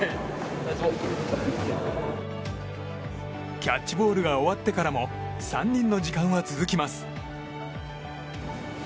キャッチボールが終わってからも３人の時間は続きます。